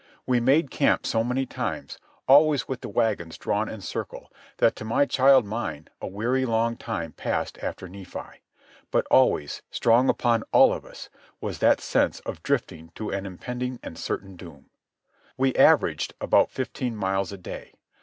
We made camp so many times, always with the wagons drawn in circle, that to my child mind a weary long time passed after Nephi. But always, strong upon all of us, was that sense of drifting to an impending and certain doom. We averaged about fifteen miles a day.